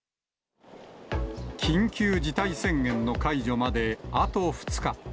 緊急事態宣言の解除まであと２日。